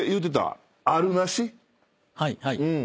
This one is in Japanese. はいはい。